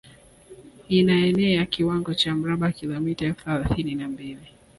Inaenea kiwango cha mraba kilometa elfu thelathini na mbili